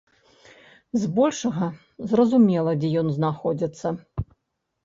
Збольшага, зразумела, дзе ён знаходзіцца.